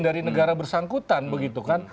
dari negara bersangkutan begitu kan